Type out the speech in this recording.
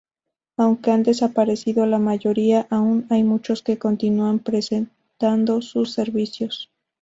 Aunque han desaparecido la mayoría, aún hay muchos que continúan prestando sus servicios.